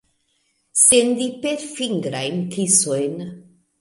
Sendi perfingrajn kisojn.